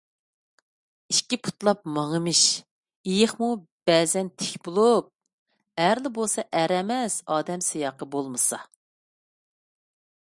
ئىككى پۇتلاپ ماڭىمىش ئىيىقمۇ بەزەن تىك بولۇپ، ئەرلا بولسا ئەر ئەمەس، ئادەم سىياقى بولمىسا.